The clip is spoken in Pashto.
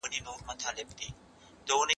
څه وخت خصوصي سکتور دفتري توکي هیواد ته راوړي؟